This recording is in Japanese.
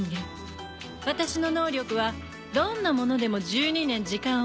私の能力はどんなものでも１２年時間を戻せる。